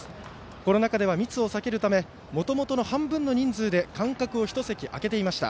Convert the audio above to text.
コロナ禍では密を避けるためもともとの半分の人数で間隔を１席、空けていました。